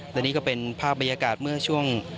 และนี่ก็เป็นภาพบรรยากาศเมื่อช่วง